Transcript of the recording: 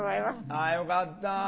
あよかった。